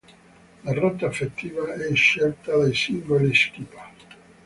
La rotta effettiva è scelta dai singoli skipper.